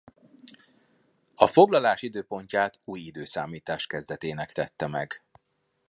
A foglalás időpontját új időszámítás kezdetének tette meg.